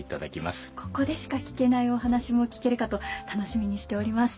ここでしか聞けないお話も聞けるかと楽しみにしております。